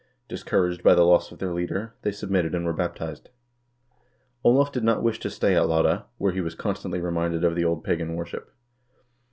Discouraged by the loss of their leader, they submitted and were baptized. Olav did not wish to stay at Lade, where he was constantly re minded of the old pagan worship.